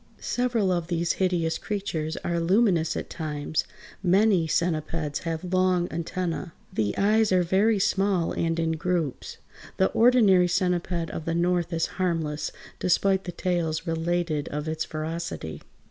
Several of these hideous creatures are luminous at times. Many centipeds have long antennæ. The eyes are very small, and in groups. The ordinary centiped of the North is harmless, despite the tales related of its ferocity.